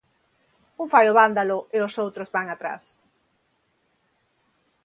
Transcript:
Un fai o vándalo e os outros van atrás.